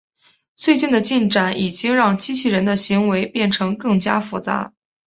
最近的进展已经让机器人的行为变成更加复杂。